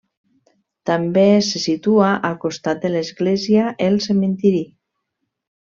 També se situa al costat de l'església el cementiri.